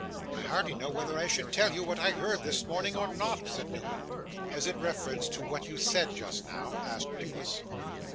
'I hardly know whether I should tell you what I heard this morning, or not,' said Newman. 'Has it reference to what you said just now?' asked Nicholas.